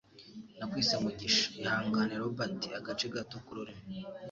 Nakwise Mugisha? Ihangane, Robert, agace gato k'ururimi